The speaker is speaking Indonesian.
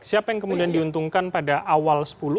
siapa yang kemudian diuntungkan pada awal sepuluh atau sembilan belas